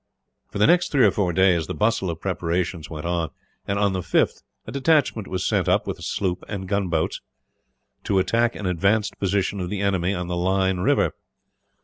For the next three or four days, the bustle of preparations went on and, on the fifth, a detachment was sent up, with a sloop and gunboats, to attack an advanced position of the enemy on the Lyne river.